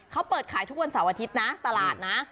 เขาเปิดขายทุกวันเสาร์อาทิตย์นะตลาดนะ